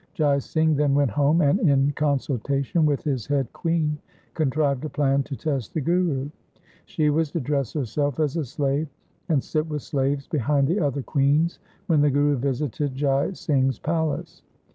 Jai Singh then went home and in con sultation with his head queen contrived a plan to test the Guru. She was to dress herself as a slave, and sit with slaves behind the other queens when the Guru visited Jai Singh's palace.